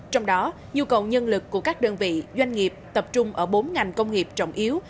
trong đó nhu cầu nhân lực của các đơn vị doanh nghiệp tập trung ở bốn ngành công nghiệp trọng yếu